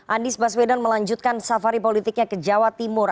anies baswedan melanjutkan safari politiknya ke jawa timur